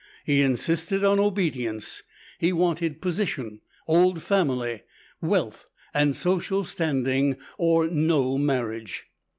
He insisted on obedience. He wanted position, old family, wealth and social standing, or no marriage.